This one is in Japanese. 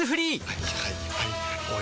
はいはいはいはい。